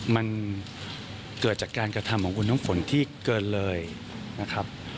มันเกิดจากการกระทำของคุณน้ำฝนที่เกินเลยนะครับ